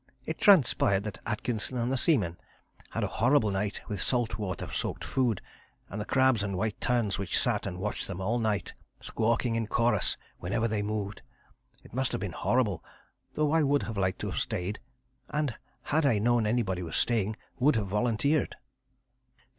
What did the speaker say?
It transpired that Atkinson and the seaman had a horrible night with salt water soaked food, and the crabs and white terns which sat and watched them all night, squawking in chorus whenever they moved. It must have been horrible, though I would like to have stayed, and had I known anybody was staying would have volunteered.